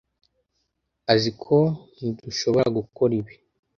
Aziko ntdushoboragukora ibi.